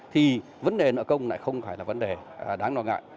thì vấn đề nợ công lại không phải là vấn đề đáng lo ngại